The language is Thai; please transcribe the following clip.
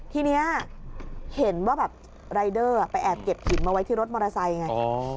ทีนี้เห็นว่าแบบรายเดอร์ไปแอบเก็บหินมาไว้ที่รถมอเตอร์ไซค์ไง